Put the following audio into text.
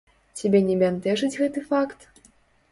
Цябе не бянтэжыць гэты факт?